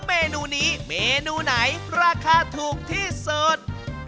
เมนูนี้เมนูไหนราคาถูกที่สุด